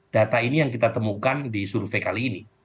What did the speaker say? data ini yang kita temukan di survei kali ini